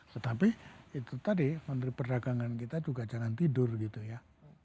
tetapi itu tadi menteri perdagangan kita juga jangan tidur gitu ya